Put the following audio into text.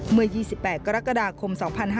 เมื่อ๒๘กรกฎาคม๒๕๕๙